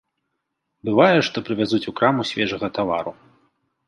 Бывае, што прывязуць у краму свежага тавару.